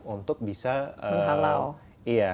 untuk bisa menghalau